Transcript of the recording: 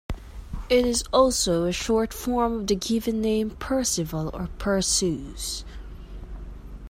It is also a short form of the given name Percival or Perseus.